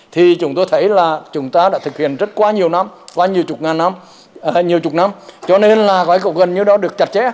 thì chúng tôi thấy là chúng ta đã thực hiện rất qua nhiều năm qua nhiều chục năm cho nên là gần như đó được chặt chẽ